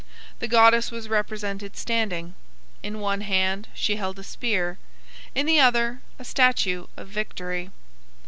The goddess was represented standing. In one hand she held a spear, in the other a statue of Victory.